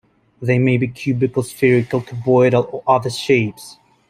They may be cubical, spherical, cuboidal, or other shapes.